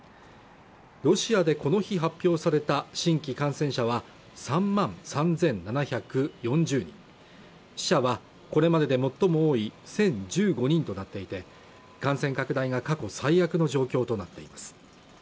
ロシアでこの日発表された新規感染者は３万３７４０死者はこれまでで最も多い１０１５人となっていて感染拡大が過去最悪の状況となっています